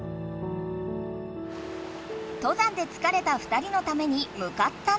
登山でつかれた２人のためにむかったのは。